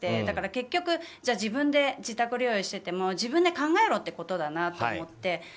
だから結局自分で自宅療養してても自分で考えろってことだなと思って。